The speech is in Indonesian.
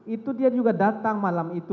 itu dia juga datang malam itu